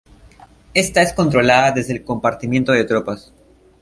Esta es controlada desde el compartimiento de tropas.